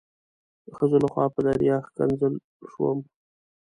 د ښځو لخوا په دریا ښکنځل شوم.